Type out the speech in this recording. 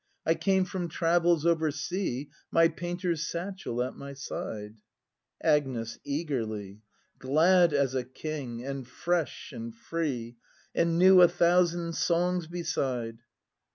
I came from travels over sea. My painter's satchel at my side Agnes. [Eagerly.] Glad as a king, and fresh, and free, — And knew a thousand songs beside!